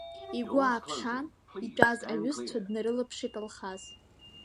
Игәы ааԥшаан итәаз аҩызцәа днарылаԥшит Алхас.